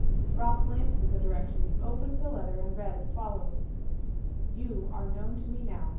Ralph glanced at the direction, opened the letter, and read as follows: 'You are known to me now.